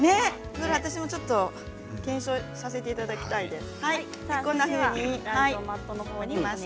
私も検証させてもらいたいです。